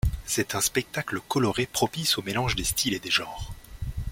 C'est un spectacle coloré propice au mélange des styles et des genres.